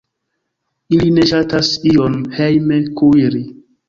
Ili ne ŝatas ion hejme kuiri.